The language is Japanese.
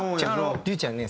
龍ちゃんね